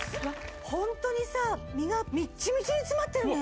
ホントにさ身がミッチミチに詰まってるね